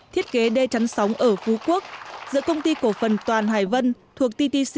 thiết kế đê chắn sóng ở phú quốc giữa công ty cổ phần toàn hải vân thuộc ttc